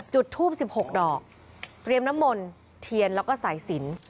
จุดทูบ๑๖ดอกเรียมน้ำมนต์เทียนแล้วก็สายสิน